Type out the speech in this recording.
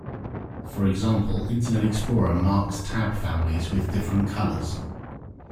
For example, Internet Explorer marks tab families with different colours.